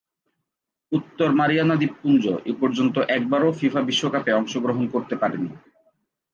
উত্তর মারিয়ানা দ্বীপপুঞ্জ এপর্যন্ত একবারও ফিফা বিশ্বকাপে অংশগ্রহণ করতে পারেনি।